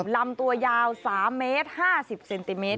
ลำตัวยาว๓เมตร๕๐เซนติเมตร